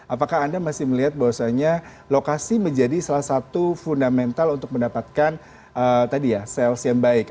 apakah anda masih melihat bahwasannya lokasi menjadi salah satu fundamental untuk mendapatkan tadi ya sales yang baik